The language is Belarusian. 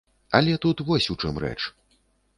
Але тут вось у чым рэч.